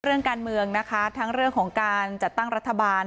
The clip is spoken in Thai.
เรื่องการเมืองนะคะทั้งเรื่องของการจัดตั้งรัฐบาล